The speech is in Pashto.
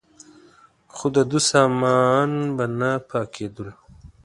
خو دده سامان به نه پاکېدلو.